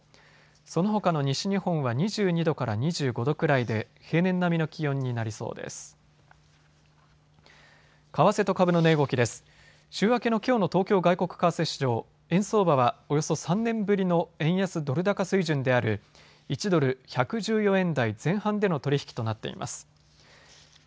そのほかの西日本は２２度から２５度くらいで平年並みの気温になりそうです。